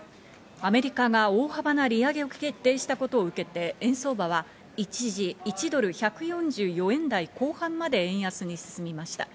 アメリカが大幅な利上げを決定したことを受けて、円相場は一時、１ドル＝１４０余円台後半まで円安に進みました。